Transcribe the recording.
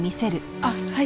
あっはい。